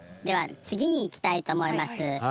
では次にいきたいと思います。